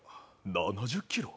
７０キロ？